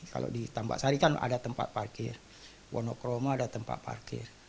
kalau di tambak sari kan ada tempat parkir wonokroma ada tempat parkir